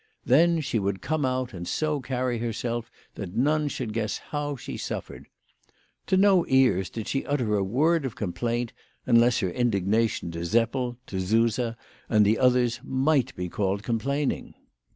Then she would come out and so carry herself that none should guess how she suffered. To no ears did she utter a word of complaint, unless her indignation to Seppel, to Suse, and the others might be called complaining.